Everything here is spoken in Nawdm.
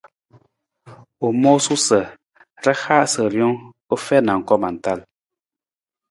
U moona sa ra haasa rijang u fiin anggoma tal.